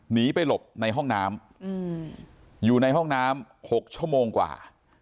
หนีไปหลบในห้องน้ำอยู่ในห้องน้ำ๖ชั่วโมงกว่า